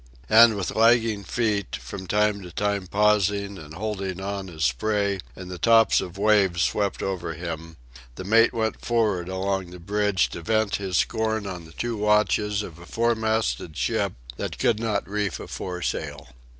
And with lagging feet, from time to time pausing and holding on as spray and the tops of waves swept over him, the mate went for'ard along the bridge to vent his scorn on the two watches of a four masted ship that could not reef a foresail.